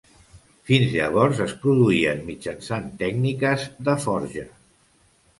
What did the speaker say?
Fins llavors es produïen mitjançant tècniques de forja.